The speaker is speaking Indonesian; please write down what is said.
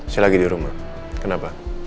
saya lagi di rumah kenapa